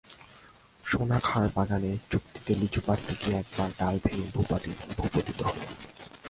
সোনা খাঁর বাগানে চুক্তিতে লিচু পাড়তে গিয়ে একবার ডাল ভেঙে ভূপতিত হয়।